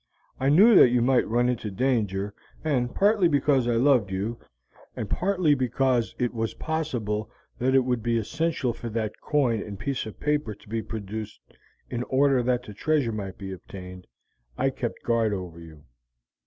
I knew that you might run into danger, and partly because I loved you, and partly because it was possible that it would be essential for that coin and piece of paper to be produced in order that the treasure might be obtained, I kept guard over you.